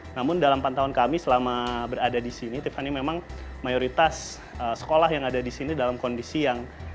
namun dalam pantauan kami selama berada di sini tiffany memang mayoritas sekolah yang ada di sini dalam kondisi yang